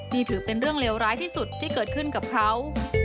นี่ถือเป็นเรื่องเลวร้ายที่สุดที่เกิดขึ้นกับเขา